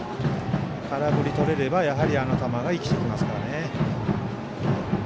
空振りとれれば、あの球が生きてきますからね。